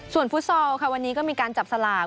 ส่วนฟุตซอลค่ะวันนี้ก็มีการจับสลาก